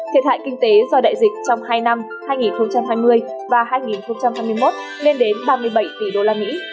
thiệt hại kinh tế do đại dịch trong hai năm hai nghìn hai mươi và hai nghìn hai mươi một lên đến ba mươi bảy tỷ đô la mỹ